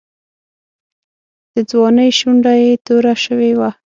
د ځوانۍ شونډه یې توره شوې وه.